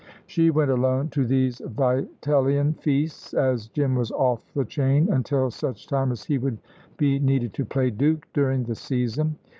She went alone to these Vitellian feasts, as Jim was off the chain until such time as he would be needed to play Duke during the season.